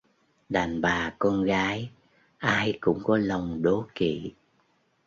Đàn bà con gái ai cũng có lòng đố kỵ